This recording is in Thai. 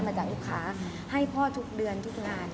จ่ายลูกค้าให้พ่อทุกเดือนทุกงาน